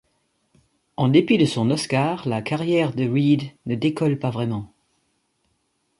En dépit de son Oscar, la carrière de Reed ne décolle pas vraiment.